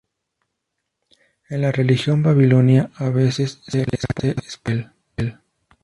En la religión babilonia a veces se le hace esposa de Bel.